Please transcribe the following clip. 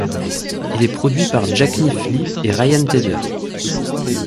Il est produit par Jacknife Lee et Ryan Tedder.